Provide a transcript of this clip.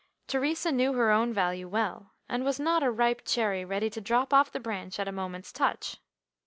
Theresa knew her own value well, and was not a ripe cherry ready to drop off the branch at a moment's touch.